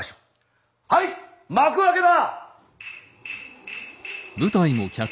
はい幕開けた！